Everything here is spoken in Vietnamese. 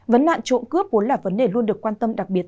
vấn nạn trộm cướp vốn là vấn đề luôn được quan tâm đặc biệt